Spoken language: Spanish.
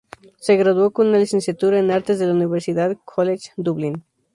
Se graduó con una Licenciatura en Artes de la University College, Dublín.